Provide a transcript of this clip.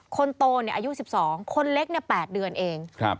คนโตอายุ๑๒คนเล็ก๘เดือนเอง